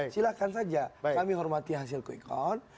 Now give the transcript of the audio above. silahkan saja kami hormati hasil quick count